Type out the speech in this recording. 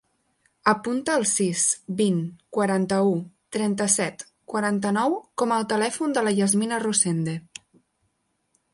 Apunta el sis, vint, quaranta-u, trenta-set, quaranta-nou com a telèfon de la Yasmina Rosende.